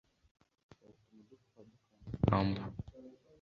yatuma dupfa dukambakamba